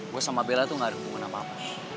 gue sama bella tuh gak ada hubungan apa apa